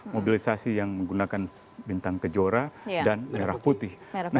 mobilisasi yang menggunakan bintang kejora dan merah putih